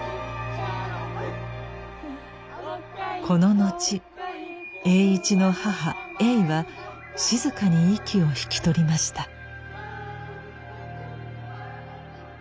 この後栄一の母ゑいは静かに息を引き取りました。